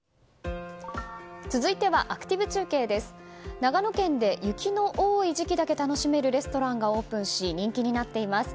長野県で雪の多い時期だけ楽しめるレストランがオープンし、人気になっています。